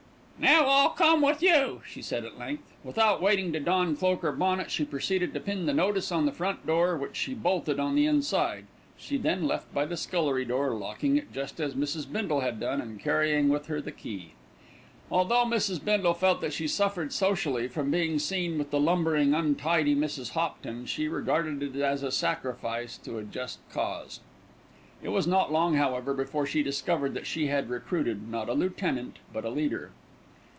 "Now I'll come with you," she said at length. Without waiting to don cloak or bonnet, she proceeded to pin the notice on the front door, which she bolted on the inside. She then left by the scullery door, locking it, just as Mrs. Bindle had done, and carrying with her the key. Although Mrs. Bindle felt that she suffered socially from being seen with the lumbering, untidy Mrs. Hopton, she regarded it as a sacrifice to a just cause. It was not long, however, before she discovered that she had recruited, not a lieutenant, but a leader.